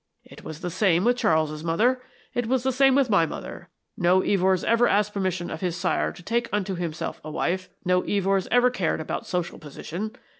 It was the same with Charles's mother. It was the same with my mother. No Evors ever asked permission of his sire to take unto himself a wife; no Evors ever cared about social position.